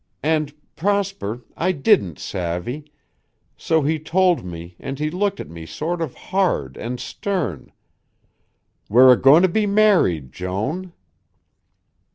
And, Prosper, I didn't savvy, so he told me and he looked at me sort of hard and stern, 'We're a goin' to be married, Joan.'"